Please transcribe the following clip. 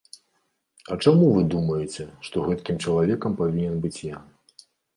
А чаму вы думаеце, што гэткім чалавекам павінен быць я?